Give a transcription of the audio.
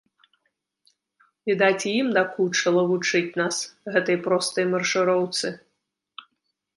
Відаць, і ім дакучыла вучыць нас гэтай простай маршыроўцы.